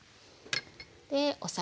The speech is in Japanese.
でお酒。